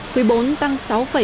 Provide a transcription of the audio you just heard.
quý iv tăng sáu bảy mươi chín